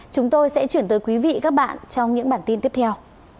chúng tôi sẽ chuyển tới quý vị các bạn trong những bản tin tiếp theo